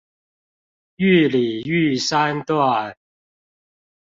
玉里玉山段